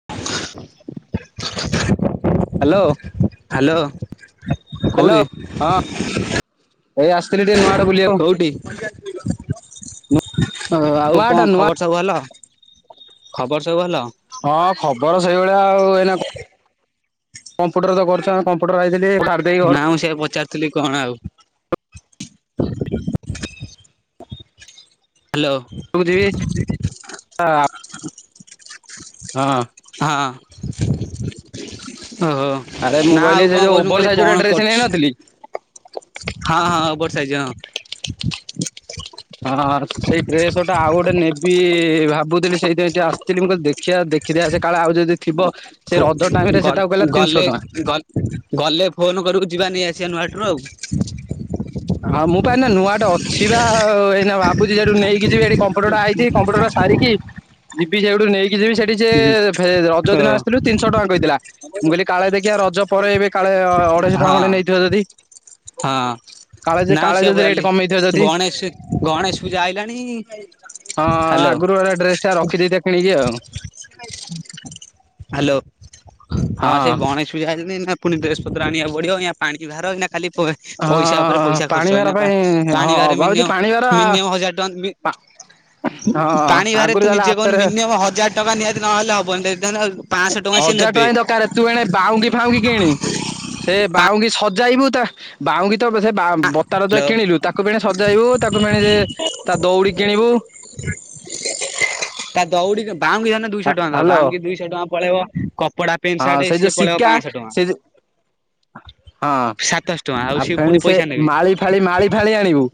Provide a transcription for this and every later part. [unintelligible] Hello [unintelligible] hello hello କଉଁଠି? ହଁ [inaudible] ଏଇ ଆସିଥିଲ ଟିକ ନୂଆଡେୁଲି କୋଉଠି ଆଉ ନୂଆହାଟ କଣ ନୂଆ ଖବର ସବୁ ଭଲ? ଖବର ସବୁ ଭଲ? ହଁ ଖବର ସେଇଭଳିଆ ଆଉ ଏଇ କମ୍ପୁଟର ତ କରଛ କମ୍ପୁଟର ଆଇଥିଲି ଛାଡି ଦେଇକି ନା ମୁଁ ସେ ପଚାରୁିଥିଲି କଣ ଆଉ। ହ୍ୟାଲୋ। ଘରକୁ ଯିବି ହଁ। ହଁ ଓହ ହୋ। ଆରେ ମୁଁ ନା କହିଲି ଆଉ ସେ କଣ ଯୋଉ କହୁଛୁ ଓଭର କହିଲି ସାଇଜ ଗୋଟେ କଣ ଡ୍ରେସ କରୁଛି? ନେଇନଥିଲି ହଁ ହଁ ବର୍ ସାଇଜ ହଁ। ହଁ ସେଇ ଡ୍ରେସ ଟା ଆଉ ଗୋଟେ ନେବି ଭାବୁଥିଲି ସେଇଥି ଏ ଆ - ମୁଁ କ ଦେଖିବା ଦେଖିଆ ଆ ସେ କାଳେ ଆଉ ଯଦ ଥିବ ସେ ହଁ ରଜ ଟାଇମ ରେ ସେଟା କହିଲା ଗଲେ ତିନିଶହ ଟଙ୍କା। ଗଲେ ଫୋନ କରକୁ ଯିବାନି ଆସିବା ନୂହାଟରୁ ଆଉ। ହଁ ମୁଁ ପାଇଁ ନା ନୂଆଟେ ଅଛି ବା ଏଇ ଭାବୁଛି ସେଠୁ ନେଇକି ଯିବି କମ୍ପ୍ୟୁଟର ଟା ହେଇଛି କମ୍ପୁଟରା ସାରିକି ଯିବି ସେଇଠୁ ନେଇକି ଯିବ ସେଠି ସେ ରଜ ଓ ଦିନ ଆସିଥିଲୁ ତିନିଶହ ଟଙ୍କା କହିଥିଲା ମୁଁ କହିଲି କାଳେ ଦେଖିିବା ରଜ ପରେ ଏବେ କାଳେ ଅଢେଇଶ ଟଙ୍କା ହଁ ଖଣ୍ଡେ ନେଇଥିବ ଯଦି। ହଁ କାଳେ ଯେ ନାଁ କାଳେ ଯଦି ଶପ ରେଟ୍ ଅଲି କମେଇଥିବ ଯଦି ଗଣେଶ ଗଣେଶ ପୂଜା ଆଇଲାଣି ହଁ ହ୍ୟାଲୋ ଆଗରୁେ ଡ୍ରେସ ଟା ରଖିଦେଇଥା କିଣିକି ଆଉ। ହ୍ୟାଲୋ ହଁ ସେଇ ଗଣେଶ ପା ନା ପୁଣିଡ୍ରସ ପତ ଆିବା ବଢିବ ପାଣି ବାହାର ଖାଲି ପଇସା ଉପରେ ହଁ ପଇସା ପାଣି ଖର୍ଚ୍ଚ ଭାର ହଇନା ପାଇଁ ପାଣି ହଁ ବାହାରେ ମିନି ମିନିମମ୍ ହଜାର ଟଙ୍କା ପା ପାଣି ଭହାରେ ତ ନିଜେ କହୁନି ମିନିମମ ହଜାର ଟଙ୍କା ନିହାତି ନହେଲେ ହବନି ପାଞ୍ଚଶହ ଟଙ୍କା ସିଏ ହଜାର ନେବେ। ହିଁ ଦରକାର ତୁ ଏଣେ ବାଉଁଙ୍କି ଫାଉଁଙ୍କି କିଣି ସେ ପା ବାଉଁଙ୍କି ସଜାଇବୁ ତା ବାଉଙ୍କି ତ ସେ ବା ବତାର ତ ହାଲୋ କିଣିଲୁ ତାକୁ ପଣି ସଜାଇବୁ ତାକୁ ପଣି ସେ ତା ଦଉଡି କିଣିବୁ ତା ଦୌଡିିକି ବାଉାମଙ୍କି ଧର ଦୁଇଶହ ଟଙ୍କା ଦବ ହ୍ୟାଲୋ ବାମୁଙ୍କି ଦୁଇଶହ ଟଙ୍କା ପଳେଇବ କପଡା ପେଣ୍ଟ ହଁ ସାର୍ଟ ସେଇ ସିଏ ଯୋଉ ପଳେଇବ ଶିକିକା ପାଁଶହ ଟଙ୍କା। ସେ ଯୋ- ହଁ ସାତଶହ ଟଙ୍କା ଆଉ ସିଏ ଫେଣି ପୁଣି ସେ ପଇସା ନେବେ ମାଳି ଫାଳି ମାଳି ଫାଳି ଆଣିବୁ।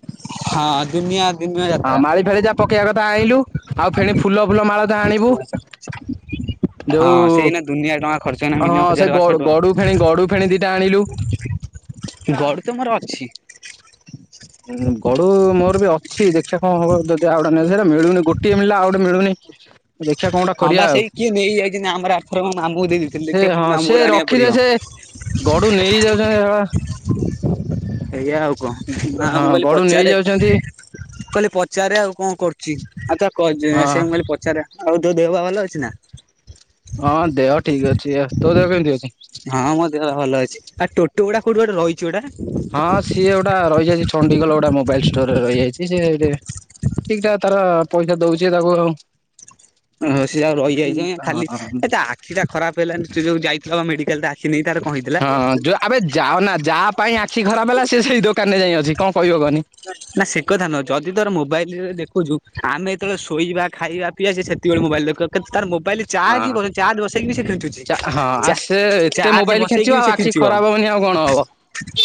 ହଁ ଦୁନିଆ ଦୁିନିଆ- ହଁ ମାଳି ଫାଳି ଯା ପକେଇବା କଥା ଆଣିଲୁ ଆଉ ଫେଣି ଫୁଲ ଫୁଲ ମାଳ ତ ଆଣିବୁ। ଯୋଉ ହଁ ସେଇନା ଦୁନିଆ ଟଙ୍କା ଖର୍ଚ୍ଚ ମି ହଜାର ବାର ଶହ ଟଙ୍କା। ଖଣି ଦିଟେ ଆଣିିଲୁ। ଛି। ଉଁ ଗଡୁ ମୋର ବି ଅଛି ଦେଖିବା କଣ ହବ ଯଦି ଆଉ ଗଡା ନେ ସେଟା ମିଳୁନି ଗୋଟେ। ଗୋଟିଏ ମିଳିଲା ଆଉଗୋଟେ ମିଳୁନି। ଦେଖିବା କଣ ଗୋଟା ହଁ କରିବା ବା ଆଉ। ସେଇ କିଏ ନେଇଯାଇଛି ଆମର ଆଠର କଣ ନମାମୁଁକୁ ଦେଇଥିଲ ସେ ଦେଖେ ହଁ ପୁଣି ସେ ମାମୁ ଆଣିବାକୁ ରଖିଦେ ପଡିବ। ସେ ଗଡୁ ନେଇକ ଯାଉଛ ହେ। ଏଇଆା ଆଉ କହ ନା ହଁ ମୁଁ କହିଲି ଗଡୁ ପଚାରେ- ନେଇଯାଉଛନ୍ତି କହିଲେ ପଚାର ଆଉ କଣ କରୁଛି ଆଉ ତା ହଁ ସେ କହିଲି ପଚାରିବା- ହଉ ତୋ ଦେହ ବା ଭଲ ଅଛି ନା? ହଁ ଦେହ ଠିକ ଅଛି ତୋ ଦେହ କେମିତି ଅଛି? ହଁ ମୋ ଦେହ ଭଲ ଅଛି ଆଉ ଟୋଟୋ ଗୁାୋଉଠି ଗୋଟେ ରହିଛି ଗୋଟା। ହଁ ସିଏ ଗୋଟା ରହିଯାଇଛି ଣ୍ଡିଗଲ ଗୋଟା ମୋବାଇଲ ଷ୍ଟୋର ରେ ରହିଯାଇଛି। ଠିକଠା ତାର ପଇସା ଦଉଛି ତାକୁ ଆଉ। ଓ ସେ ଯାଉ ରହିଯାଇଛି ଆଜ୍ ଖାଲି ଏଇ ଆଖି ଟା ଖରାପ ହେଇାନଣି ସେ ଯୋଉ ଯାଇଥିଲା ବା ମେଡିକାଲ। ଆଖି ତାର କହିଦ [unintelligible] ହଁ ଯୋଉ ଆବେ ଯାଉ ନା ଯାହା ପାଇଁ ଆଖି ଖରାପ ହେଲା ସେ ସେଇ ଦୋକାନ ରେ ଯାଇ ଅଛି କଣ କହିବ କହନି? ନା ସେ କଥା ନୁହଁ ଯଦି ତୋର ମୋବାଇଲରେ ଦେଖୁଛୁ ଆମେ ଯେତେବେଳେ ଶୋଇବା ଖାଇବା ପିଇଆଛେ ସେ- ଳେ ମୋାଇ ଦୋରୋାଇଲ [unintelligible] ହଁ ଚାର୍ଯ ବସେଇକି ବି ସେ ଖେଞ୍ଚୁଚି ସେ ବସେଇକି ବି ସେ - କିଛି ଖରାପ ହବନି ଆଉ କଣ ହବ?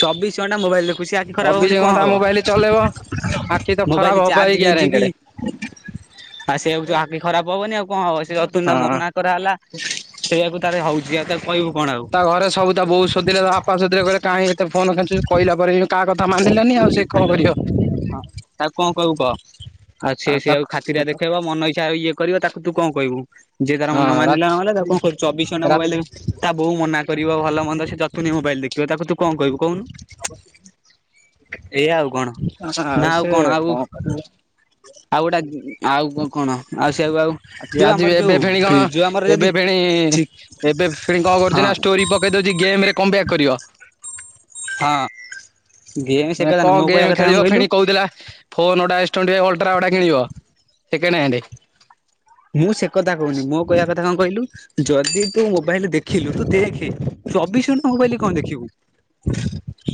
ଚବିଶ ଘଣ୍ଟା ମୋବାଇଲ ଦେଖୁଛି ଆଖି ଖରାପ ଚବିଶ ହବନି କଣ ଘଣ୍ଟା ମୋବାଇଲ ଚଲେଇବ ହବ। ଆଖି ତ ଖରାପ ମୋବାଇଲ ହବା ହିଁ ଚାର୍ଜ ଗେଞ୍ଜି ଗ୍ୟାରେଣ୍ଟେଡ କି। ଆଉ ସେ ଆଉ ଯ ଆଖି ଖରାପ ହବନି ଆଉ କଣ ହବ ସେ ଅତୁନା ହଁ ମନା। ହେଲା ସେଇଆକୁ ତାର ହଉଛି ଆଉ ତାକୁ କହିବୁ କଣ ଆଉ। ତା ଘରେ ସବୁ ତା ବୋଉ ସୋଧିଲେ ତା ବାପା ସୋଧିଲେ ଘରେ। କାହିଁ ଏତେ ଫୋନ କେଞ୍ଚୁଚୁ କହିଲା ପରେ ବି କାହା କଥା ମାନିଲାନି ଆଉ ସେ କଣ ହ୍ୟାଲୋ କରିବ। ହଁ ତାକୁ କଣ କଇବୁ କହ ଆଉ ସିଏ ସେଇଆକୁ ଖାତିରିଆ ଦେଖେଇବ ମନ ଇଚ୍ଛା ଆଉ ଇଏ କରିବ ତାକୁ। ତୁ କଣ କହିବୁ ଯିଏ ତାର ହଁ ମନ ମାନିଲା ରାତି ନଲେ ତାକୁ କଣ କଇବୁ ଚବିଶ ଖଣ୍ଡା ରାତି ମୋବାଇଲ ତା ବୋଉ ମନା। କରିବ ଭଲ ମନ୍ଦ ସେ ଯତୁନୀ ମୋବାଇଲ ଦେଖିବ ତାକୁ ତୁ କଣ କହିବୁ। କହୁନୁ ଏଇଆଉ କଣ ନା ଆଉ କଣ ଆଉ। ଆଉ ଗୋଟେ ଆଉ କଣ ଆଉ ସେଆକୁ ଆଉ। ଆଜି ଯୋଉ ଆଜି ଆମର ଏବେ ଯୋଉ ଫେଣି କଣ ଯୋଉ ଆମର ଯଦି ଏବେ ଫେଣି ଚି ଏବେ ଫେଣି କଣ କରୁଛି ହଁ ନା ଷ୍ଟୋରି ପ। ଦଉଛି ଗେମ ରେ କମ୍ ବାକ କରିବ। ହଁ। ଗେମ୍ ସେ ମାନେ କଥା ନୁହଁ କଣ ମୋ କହିବା ଗେମ୍ କଥା କଣ ଖେଳିବ କହିଲୁ ଫେଣି କହୁଥିଲା। ଫୋନ୍ଟା ଏଷ୍ଟେ ଅଲଟ୍ରା ଗୋଟେ କିଣିବ ସେକେଣ୍ଡ ହେଣ୍ଡ। ମୁଁ ସେ କଥା କହୁନି ମୋ କହିବା କଥା କଣ କହିଲୁ ଯଦି ତୁ ମୋବାଇଲ ଦେଖିଲୁ ତୁ ଦେଖେ। ଚବିଶ ଘଣ୍ଟା ମୋବାଇଲ କଣ ଦେଖିବୁ।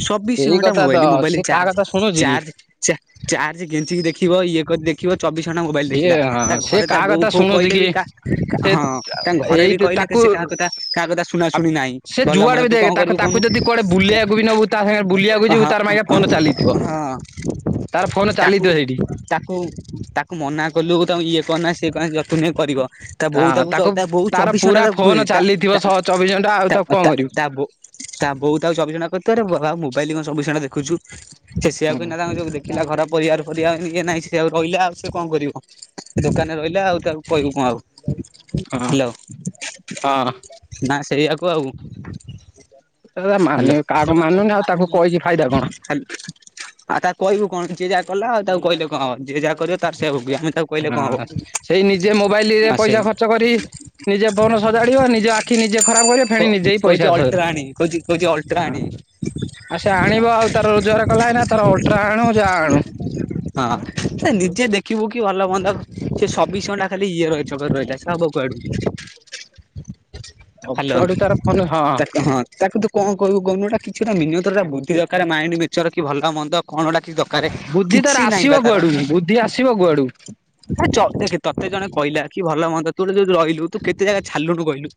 ଚବିଶ ସେଇ ଘଣ୍ଟା କଥା ତ ମୋବାଇଲ ମୋବାଇଲ ସେ କାହା ଚାର୍ଜ। କଥା ଶୁଣୁଛି କି ଚାର୍ଜ। ଚାର୍ଜ କେଞ୍ଚିକି ଦେଖିବ ଇଏ କରି ଦେଖିବ ଚବିଶ ଘଣ୍ଟା ମୋବାଇଲ ସିଏ ଦେଖିଲା ତା ସେ ଘରେ ତା କାହା କଥା ବୋଉ। ଫୋଉ ଶୁଣୁଛି କହିଲେ କି ବି କା ସେ ହଁ ତାଙ୍କ ଘରେ ଏଇ ବି ତ କହିଲେ କି ତାକୁ। ସେ କାହା କଥା କାହା କଥା ଶୁଣା ଶୁଣି ନାହିଁ ସେ ଭଲ ଯୁଆଡେ ମନ୍ଦ ବି ତୁ କଣ ଦେଖେ ତାକୁ କରିବୁ କହୁନୁ ତାକୁ ଯଦି କୁଆଡେ ବୁଲେଇ ବାକୁ ବି ନବୁ ତା ସାଙ୍ଗେ ବୁଲିବାକୁ ଯିବୁ ହଁ ତାର ଫୋନ ଚାଲିଥିବ। ହଁ ତାର ଫୋନ ତାକୁ ଚାଲିଥିଅ ସେଇଠି। ତାକୁ ତାକୁ ମନା କଲୁ ତା ଇଏ କନା ସେଏ କନା ଯତମ କରିବ। ତା ବୋଉ ହଁ ତାକୁ ତ ତା ବୋଉ ତାର ଚବିଶ ଘଣ୍ଟା ପୁରା ତାକୁ ଫୋନ କୁହେ ତା ଚାଲିଥିବ ତା ଶହ ଚବିଶ ଘଣ୍ଟା ଆଉ ତାକୁ ତା କଣ ତା କରିବୁ। ତା ବୋଉ। ତା ବୋଉ ତାକୁ ଚବିଶ ଘଣ୍ଟା ଖୋଥୁବ ତୁ ଆରେ ମୋବାଇଲ କଣ ଚବିଶ ଘଣ୍ଟା ଦେଖୁଛୁ ଯେ ସେଆକୁ ହୁଁ ଏଇନା ତାଙ୍କ ଯୋଉ ପିଲା ଘର ପରିବାର ପରିବା ଇଏ ନାହିଁ ସେ ଆଉ ରହିଲା ଆଉ ସେ କଣ କରିବ ଦୋକାନରେ ରହିଲା ଆଉ ତାକୁ କହିବୁ କଣ ଆଉ ହଁ ହ୍ୟାଲୋ। ହଁ ନା ସେଇଆକୁ ଆଉ। ସେ ହାଲୋ। ମାନିବି କାହାକୁ ମାନୁନି ଆଉ ତାକୁ କହିକି ଫାଇଦା କଣ। ଖାଲି ଆଉ ତାକୁ କହିବୁ କଣ ଯିଏ ଯାହା କଲା ଆଉ ତାକୁ କହିଲେ କଣ ହବ ଯିଏ ଯାହା କରିବ ତାର ସେଇଆ ଭୋଗିବ ଆମେ ତାକୁ କହିଲେ କଣ ହଁ। ହବ। ସେଇ ନିଜେ ମୋବାଇଲ ରେ ଆସେ ପଇସା ଖର୍ଚ୍ଚ କରି ନିଜେ ଫୋନ ସଜାଡିବ ନିଜ ଆଖି ନିଜେ ଖରାପ କରିବ କ ଫେଣି ନିଜେିଁ କହୁଛି ପଇସା ଅଲଟ୍ରା ଆଣି କହୁଛି କହୁଛି ଅଲଟ୍ରା ହଁ ଆଣି। ଆଉ ସେ ଆଣିବ ଆଉ ତାର ରୋଜଗାର କଲା ଏନା ତାର ଅଲଟ୍ରା ଆଣୁ ଯାହା ଆଣୁ। ହଁ ସେ ନିଜେ ଦେଖିବୁ କି ଭଲ ମନ୍ଦ ସେ ସ ଚବିଶ ଘଣ୍ଟା ଖାଲି ଇଏ ଚକ୍କର ରେ ରହିଲା ସେ ହବ କୁଆଡୁ। ହ୍ୟାଲୋ ସବୁଆଡୁ ତାର ଫୋନ ହଁ। ତାକୁ ହଁ। ତାକୁ ତୁ କଣ କହିବୁ କଉନୁ ଗ କିଛି ଗୋଟେ ମିନତା ବୁଧୀ ଦରକାର ମାଇଣ୍ଡ ମେଚର କି ଭଲ ମନ୍ଦ କଣଟା କିଛି ଦକାର। ବୁଦ୍ଧି ତାର ଆସିବ କୁଆଡୁ, ବୁଦ୍ଧି ଆସିବ କୁଆଡୁ। ଆ ଚ ଦେଖେ ତତେ ଜଣେ କହିଲା କି ଭଲ ମନ୍ଦ ତୁ ଗୋଟେ ଯୋଉ ରହିଲୁ ତୁ କେତେ ଜାହା ଛାଡିଲୁଣି କଇଲୁ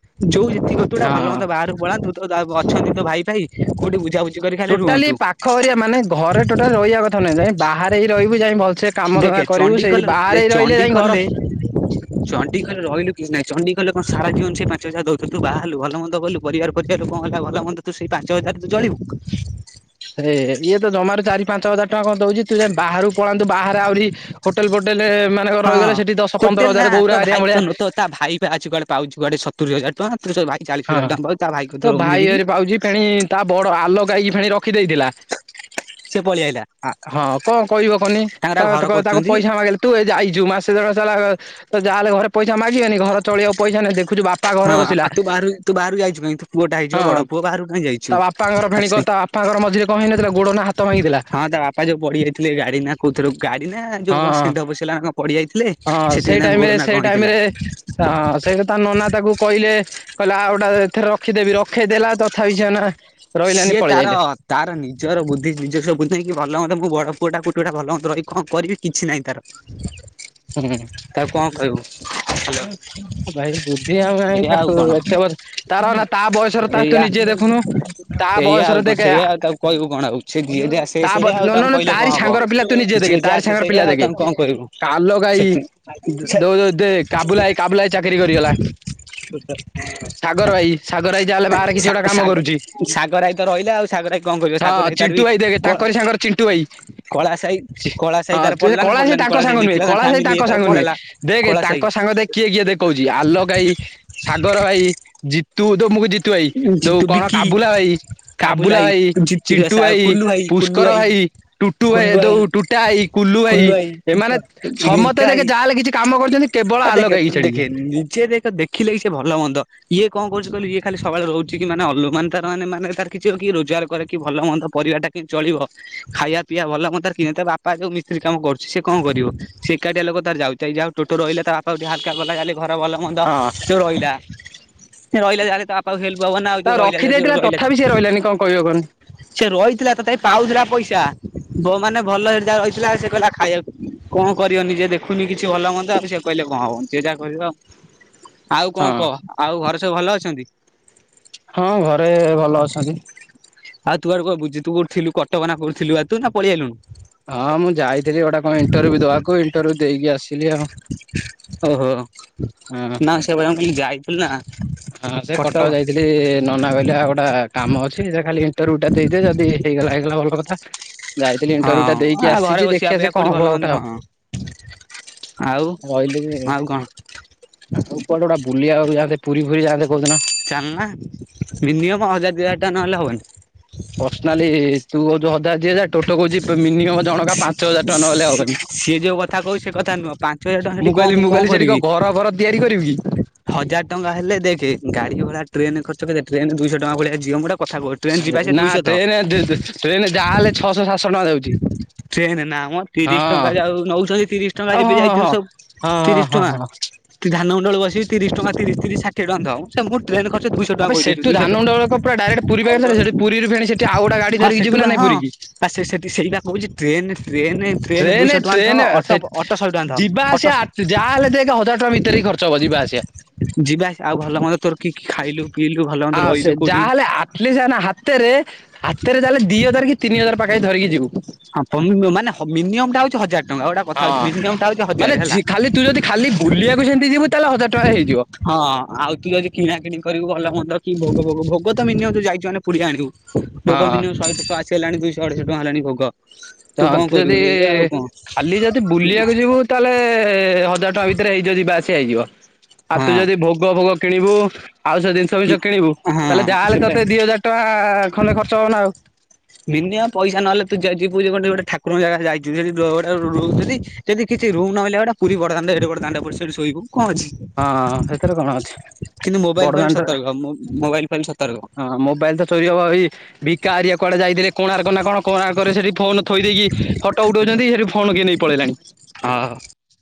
ତୁଟା ଭଲ ମନ୍ଦ ହଁ। ବାହାରୁକୁ ପଳାନ୍ତୁ ତ ଯା ଅଛନ୍ତି ତ ଭାଇ ଫାଇ କୋଉଠି ବୁଝାବୁଝି କରିକି ଖାଲି ଟୋଟାଲି ରୁଅନ୍ତୁ। ପାଖ ଏରିଆ ମାନେ ଘରେ ଟୋଟାଲି ରହିବା କଥା ନୁହେଁ ଯାଇ ବାହାରେ ହି ରହିବୁ ଯାଇ ଭଲସେ କାମ ଧନ୍ଦା ଦେଖେ କରିବୁ ସେଇ ଚଣ୍ଡିଖୋଲରୁ ଦେ ବାହାରେ ରହିଲେ ଯାଇ ଘର ଚଣ୍ଡିଖୋଲରେ ଚଣ୍ଡିଖଲରେ ରହିଲୁ କିଛି ନାଇ ଚଣ୍ଡୀଖୋଲ କଣ ସାରା ଜିବନ ସେଇ ପାଞ୍ଚ ହଜାର ଦଉଥିବେ ତୁ ବାହାହେଲୁ ଭଲ ମନ୍ଦ କଲୁ ପରିବାର ପରିବାର କଁ ହେଲା ଭଲ ମନ୍ଦ ତୁ ସେଇ ପାଞ୍ଚ ହଜାର ତୁ ଚଳିବୁ। ହେ ଇଏ ତ ଜମାରୁ ଚାରି ପାଞ୍ଚ ହଜାର ଟଙ୍କା କଣ ଦଉଛି ତୁ ଯାଇ ବାହାରୁକୁ ପଳାନ୍ତୁ ବାହାରେ ଆହୁରି ହୋଟେଲ ଫୋଟେଲ ହଁ ରହିଗଲେ ସେଠି ଦଶ, ହୋଟେଲ ପନ୍ଦର ନା ହଜାର ତୋ ଗୌରା ଭାଇ ହେରିକାଙ୍କ ତ ଭଳିଆ ତ ତା ଭାଇ ପା ଅଛି କୁଆଡେ ପାଉଛି କୁଆଡେ ସତୁରି ହଜାର ଟଙ୍କା ତ ସେ ଭାଇ ଚାଳିଶ ହଁ ହଜାର ଟଙ୍କା ପାଉଛି ତା ଭାଇ କତିରେ ତୋ ରହୁନି ଭାଇ ଯାଇକି ଘରେ ପାଉଛି ଫେଣି ତା ବଡ ଆଲୋକ ଭାଇକି ଫେଣି ରଖିଦେଇଥିଲା। ସେ ପଳେଇ ଆଇଲା ଆଁ ହଁ କଣ କହିବ କହନି ତାଙ୍କର ତା ଆଉ ଘର ତାକୁ କରୁଛନ୍ତି ପଇସା ମାଗିଲେ ତୁ ଏ ଯାଇଚୁ ମାସେ ଦେଢ଼ ମାସେ ହେଲା ତ ଯାହା ହେଲେ ଘରେ ପଇସା ମାଗିବେନି ଘର ତୁ ଚଳିଆକୁ ପଇସା ନାହିଁ ଦେଖୁଛୁ ବାପା ଘରେ ହଁ ବସିଲା ଆଉ ତୁ ବାହାରୁ ତୁ ବାହାରକୁ ଯାଇଛୁ କାଇଁ? ପୁଅଟା ହେଇଚୁ ପା ହଁ ବଡ ପୁଅ ବାହାରକୁ କାଇଁ ଯାଇଛୁ, ତା ବାପାଙ୍କର ଫେଣି କଣ ତା ବାପାଙ୍କର ମଝିରେ କଣ ହେଇନଥିଲା ଗୋଡ ନା ହାତ ଭାଙ୍ଗିଥିଲା ହଁ ତା ବା ବାପା ଯୋଉ ପଡି ଯାଇଥିଲେ ଗାଡି ନା କୋଉଥିର ଗାଡି ନା ଯୋଉ କଣ ହଁ ଷେଣ୍ଢ ପଶିଗଲା ପଡିଯାଇଥିଲେ। ହଁ ସେଥିପାଇଁ ସେଇ ତାଙ୍କ ଟାଇମ ଗୋଡ ରେ ନା ସେ କଣ ଟାଇମ ହେଇଥିଲା ରେ ଅ ତା ନନା ତାକୁ କହିଲେ କହିଲେ ଆଉ ଗୋଟା ଏଥରେ ରଖିଦେବି, ରଖେଇଦେଲା ତଥାପି ସିଏ ମାନେ ସିଏ ତାର ତାର ନିଜର ବୁଦ୍ଧି ନିଜ ସ୍ଵବୁଦ୍ଧି ନେଇକି ଭଲ ମନ୍ଦ ମୋ ବଡ ପୁଅଟା କଉଟି ରହିକି ଭଲ ମନ୍ଦ ରହିକି କଣ କରିବି କିଛି ନାହିଁ ତାର। [inaudible] ହୁଁ। ତାକୁ କଣ କହିବୁ ହ୍ୟାଲୋ। ଭାଇ ବୁଦ୍ଧି ଆଉ ନାଇଁ ଏଇଆ ଆଉ ତାକୁ କଣ ଏତେ ବର୍ ତାର ନାହିଁ ତା ବୟସରେ ତାକୁ ତୁ ଏଇଆ ନିଜେ ଦେଖୁନୁ। ତା ଏଇଆ ଆଉ ବୟସରେ କଣ ଦେଖେ ସେଇଆ ଆଉ ତାକୁ କହିବୁ କଣ ଆଉ ସେ ଯିଏ ଯାହା ସେ ତା ସେଇଆ ଆଉ ନ ତାଙ୍କୁ ନଁ କହିଲେ କଣ ତାରି ହବ। ସାଙ୍ଗର ପିଲା ତୁ ନିଜେ ଦେଖେ ଯିଏ ଯାହା ତାରି ସେ ସାଙ୍ଗର ସେଇଆ ପିଲା ଆଉ ଦେଖେ ତାଙ୍କୁ କଣ କହିବୁ କାଲହାଈ ସେଥି ସେ ଦ ଦେ କାବୁଲା ଭାଇ। କାବୁଲା ଚାକିରି କରିଗଲା। [unintelligible] ସାଗର ଭାଇ ସାଗର ଭାଇ ଯାହା ହେଲେ ବାହାରେ କିଛି ସା ଗୋଟେ କାମ ଶାଗ କରୁଛି। ସାଗରାଇ ତ ରହିଲା ଆଉ ସାଗରାଇ କଣ କରିବ ହଁ ସାଗରାଇ ତାର ବି ଚିଣ୍ଟୁ ଭାଇ ଦେଖେ କ ତାଙ୍କରି ସାଙ୍ଗର ଚିଣ୍ଟୁ ଭାଇ। କଳା ସାହି କଳା ସାହି ତାର ହଁ ପଡିଲା ନା କଳା ସେ ପଡିଲାନି ତାଙ୍କ ସାହି ସାଙ୍ଗ ନୁହେଁ ଦେଖିଲା ତା କଳା ସେ ଫ୍ୟାମିଲି ତାଙ୍କ ଇଏ ତାର ସାଙ୍ଗ ନୁହେଁ ପଳେଇଲା। ଦେଖ କଳା ତାଙ୍କ ସାହି ସାଙ୍ଗ ଦେଖ କିଏ କିଏ ଦେଖଉଛି ଆଲୋକ ଭାଇ ସାଗର ଭାଇ ଜିତୁ ତମକୁ ଜିତୁ ଭାଇ ଯୋଉ ଜିତୁ କଣ ବିକି କାବୁଲା ଭାଇ, କାବୁ କାବୁଲା ଭାଇ, ଜିତୁ ଚିଣ୍ଟୁ ସା ଭାଇ, କୁଲୁ କୁଲୁ ପୁଷ୍କର ଭାଇ। ଟୁଟୁ ଭାଇ ଦଉ ଟୁଟା ହାଇ କୁଲୁ ଭାଇ ଏମାନେ ସମସ୍ତେ ରିଙ୍କା ଦେଖେ ଭାଇ ଯାହା ହେଲେ କିଛି କାମ କରୁଚନ୍ତି। କେବଳ ଆ ଆଲୋକ୍ ଦେଖେ ହାଇ। ଦେଖେ ନିଜେ ଦେଖ ଦେଖିଲେ ହି ସେ ଭଲ ମନ୍ଦ ଇଏ କଣ କରୁଚି କହିଲୁ ଇଏ ଖାଲି ସବୁବେଳେ ରହୁଚି କି ମାନେ ଅଲୁମାନ ତାର ମାନେ ମାନେ ତାର କିଛି ହଉ କି ରୋଜଗାର କରେ କି ଭଲ ମନ୍ଦ ପରିବାରଟା କେମିତି ଚଳିବ? ଖାଇଆ ପିଆ ଭଲ ମନ୍ଦ ତାର କି ତା ବାପା ଯୋଉ ମିସ୍ତ୍ରୀ କାମ କରୁଛି ସେ କଣ କରିବ? ସେ ଏକାଟିଆ ଲୋକ ତାର ଯାଉ ଟିଟାଇ ଯାଅଉ ଟୋଟୋ ରହିଲା ତା ବାପକୁ ଟିକେ ହାଲକା ଗୋଲାଗାଲି ଘର ଭଲ ମନ୍ଦ ହଁ ସବୁ ରହିଲା। ସେ ରହିଲା ଯା ବାପାକୁ ହେଲ୍ପ ହବନା ଆଉ ତା ଯୋଉ ରହିଲା ଯଦିଓ ରଖିଦେଇଥିଲା ରହିଲା। ତଥାପି ସିଏ ରହିଲାନି କଣ କହିବ କହନି ସେ ରହିଥିଲା ତଥାପି ପାଉଥିଲା ପଇସା। ଯୋଉ ମାନେ ଭଲ ହେରିକା ରହିଥିଲା ସେ କହିଲା ଖାଇଆକୁ। କଣ କରିବ ନିଜେ ଦେଖୁନି କିଛି ଭଲ ମନ୍ଦ ଆଉ ସେ କହିଲେ କଣ ହବ ସେ ଯାହା କରିବ ଆଉ। ଆଉ କଣ ହଁ କହ ଆଉ ଘରେ ସବୁ ଭଲ ଅଛନ୍ତି? ହଁ ଘରେ ଭଲ ଅଛନ୍ତି। ଆଉ ତୁଆ ଗୋଟେ କୁଆଡେ ବୁଝିଥିବୁ ଥିଲୁୁ କଟକ ନା କୋଉଠି ଥିଲୁ ବା ତୁ ନା ପଳେଇ ଆଇଲୁଣୁ। ହଁ ମୁଁ ଯାଇଥିଲି ଗୋଟେ କଣ ଇଣ୍ଟରଭ୍ୟୁ ଦବାକୁ ଇଣ୍ଟରଭ୍ୟୁ ଦେଇକି ଆସିଲି ଆଉ। ଓହୋ ହଁ। ନା ସେ ବରଂ ଏଇ ଯାଏ। ହଁ ସେ କଟକ ଯାଇଥିଲି ନନା କହିଲା ଆଉ ଗୋଟା କାମ ଅଛି। ଠିକ୍ ସେ ଖାଲି ଇଣ୍ଟରଭ୍ୟୁ ଟା ଦେଇଦେ ଯଦି ହେଇଗଲା ହେଇଗଲା ଭଲ କଥା। ଯାଇଥିଲି ଆ ଇଣ୍ଟରଭ୍ୟୁଟା ଦେଇକି ଘରେ ଆସିଛି ବସିବା ଦେଖିବା ଅପେକ୍ଷା ସେ କଣ କୋଉଠି ଭଲ ହବ ମନ୍ଦ ଗୋଟା ହଁ ଆଉ। ଆଉ ରହିଲି ଆଉ କଣ? ଆଉ କୁଆଡେ ଗୋଟା ବୁଲିଆକୁ ଯାଆନ୍ତେ ପୁରୀ ଫୁରୀ ଯାଆନ୍ତେ କୋଉଦିନ। ଚାଲନା ମିନିମମ୍ ହଜାର ଦୁଇ ହଜାର ଟଙ୍କା ନହେଲେ ହବନି। ପର୍ସନାଲି ତୁ କହୁଚୁ ହଜାର ଦିହଜାର ଟୋଟୋ କହୁଚି ମିନିମମ ଜଣକା ପାଞ୍ଚ ହଜାର ଟଙ୍କା ନହେଲେ ସି ସିଏ ଯୋଉ କଥା କହୁଛି ସେ କଥା ହବନି। ନୁହଁ ପାଞ୍ଚ ହଜାର ଟଙ୍କା ସେଠି ମୁଁ କଣ କହିଲି ମୁଁ କଣ କହିଲି ସେଠି କଁ କରିବି? ଘର ଫର ତିଆରି କରିବୁ କି? ହଜାର ଟଙ୍କା ହେଲେ ଦେଖେ ଗାଡି ଭଡ଼ା ଟ୍ରେନେ ଖର୍ଚ୍ଚ କେଜାଏ ଟ୍ରେନ ଦୁଇଶହ ଟଙ୍କା ଭଳିଆ ଯିଅ ମୁଁ ଗୋଟା କଥାକୁ କହୁ ନା ଟ୍ରେନେ ଟ୍ରେନେ ଯାହାହେଲେ ଛଅଶହ ସାତଶହ ଟଙ୍କା ଯାଉଚି। ଟ୍ରେନେ ନା ମ। ତିରିଶ ଟଙ୍କା ଯାଉ ନେଉଚନ୍ତି ତିରିଶ ଟଙ୍କା ଓ ଏବେ ହଁ ହଁ ଯାଇଚନ୍ତି ହଁ। ସବୁ ହଁ ତିରିଶ ହଁ ହଁ ଟଙ୍କା। ହଁ ତୁ ଧାନମଣ୍ଡଳୁ ବସିବୁ ତିରିଶ ଟଙ୍କା ତିରିଶ ତିରିଶ ଷାଠିଏ ଟଙ୍କା ଦବ। ସେ ମୁଁ ଟ୍ରେନ ଖର୍ଚ୍ଚ ଦୁଇଶହ ଟଙ୍କା କହିଦଉଚୁ ଦୁଇଶହ ଟ ମଣ୍ଡଳ କଣ ପୁରା ଡାଇରେକ୍ଟ ପୁରୀ ପାଖରେ ଛାଡ଼ି ଦଉଚି ସେଠି ପୁରୀରୁ ଫେଣେ ଆଉ ଗୋଟେ ଗାଡ଼ି ଧରିକି ସେଠୁ ଯିବୁ ନ ବା ନାଇ ହଁ ପୁରୀକି। ଆ ସେ ସେଠି ସେଇଟା କହୁଛି ଟ୍ରେନେ ଟ୍ରେନେ ଟ୍ରେନ୍ ଟ୍ରେନ ଦୁଇଶହ ଟଙ୍କା ଟ୍ରେନ ଆଣଥବ। ଅଟ ସେ ଅଟ ଶହେ ଟଙ୍କା ଯିବା ଦବ ଅଟ ଆସିବା ଶ ଯାହା ହେଲେ ଦେଖେ ହଜାର ଟଙ୍କା ଭିତରେ ହିଁ ଖର୍ଚ୍ଚ ହବ ଯିବା ଆସିବା। ଯିବା ଆସ୍ ଆଉ ଭଲ ମନ୍ଦ ତୋର କି ଖାଇଲୁ ପିଇଲୁ ଭଲ ମନ୍ଦ ରହିଲୁ କୋଉଠି? ଆହାଲେ ଆଟଲିଷ୍ଟ ଆମ ହାତ୍ ହାତେରେ ହାତେରେ ତାହେଲେ ଦି ହଜାର କି ତିନି ହଜାର ପାଖାପାଖି ଧରିକି ଯିବୁ। ହଁ ତମେମାନେ ମିନିମମଟା ହଉଚି ହଜାରଟଙ୍କା ଗୋଟା କଥା ହଉଛି ହଁ ମିନିମମ୍ ଟା ହଉଛି ହଜାର ମାନେ ହେଲା ଝିଅ ଖାଲି ତୁ ଯଦି ଖାଲି ବୁଲିବାକୁ ସେମିତି ଯିବୁ ତାହେଲେ ହଜାର ଟଙ୍କା ହେଇଯିବ। ହଁ ଆଉ ତୁ ଯଦି କିଣା କିଣି କରିବୁ ଭଲ ମନ୍ଦ କି ଭୋଗ ଭୋଗ ଭୋଗ ତ ମିନିମମ୍ ପୁରୀ ଯାଇଛୁ ମାନେ ପୁରୀରୁ ଆଣିବୁ। ଭୋଗ ହଁ। ମିନିମମ୍ ଶହେଶହ ଆସି ହେଲାଣି ଦୁଇଶହ ଅଢେଇଶହ ଟଙ୍କା ହେଲାଣି ଭୋଗ। ତ କଣ ତୁ ଯଦି କରିବୁ ଏଇଆ ଆଉ କଣ ଖାଲି ଯଦି ବୁଲିଆକୁ ଯିବୁ ତାହେଲେ ହଜାର ଟଙ୍କା ଭିତରେ ହେଇଯିବ ଯିବା ଆସିବା ହେଇଯିବ। ଆଉ ହଁ ତୁ ଯଦି ଭୋଗ ଭୋଗ କିଣିବୁ ଆଉ ସେ ଜିନଷ୍ ଜିନିଷ କି ଫିନଷ କିଣିବୁ ହଁ ତାହେଲେ ଯାହାହେଲେ ସେଟା ତୋତେ ଦି ହଜାର ଟଙ୍କା ଖଣ୍ଡେ ଖର୍ଚ୍ଚ ହବନା ଆଉ। ମିନିମମ୍ ପଇସା ନହେଲେ ତୁ ଯଦି ଯିବୁ ଗୋଟେ ଠାକୁରଙ୍କ ଯାଗା ଯାଇଚୁ [unintelligible] ରହୁଚନ୍ତି। ଯେଦି କିଛି ରୁମ୍ ନ ମିଳିଲେ ବା ଗୋଟେ ପୁରୀ ବଡଦାଣ୍ଡ ଏଡେବଡ଼ ଦାଣ୍ଡ ପଡ଼ିଛି ସେଇଠି ଶୋଇବୁ କଣ ଅଛି? ହଁ ହେଇଥେରେ କଣ ଅଛି? କିନ୍ତୁ ମୋବାଇଲ ଫୋବାଇଲ ବଡଦାଣ୍ଡରେ ସତର୍କ ମୋବାଇଲ [unintelligible] ହଁ ମୋବାଇଲ୍ ତ ଚୋରି ହବା ବି ବିକା ଆରିଆ କୁଆଡେ ଯାଇଥିଲେ କୋଣାର୍କ ନା କଣ କୋଣାର୍କ କରେ ସେଠି ଫୋନ ଥୋଇ ଦେଇକି ଫ ଫଟ ଉଠାଉଛନ୍ତି ସେଠୁ ଫୋନ୍ କିଏ ନେଇ ପଳେଇଲାଣି। ହଁ।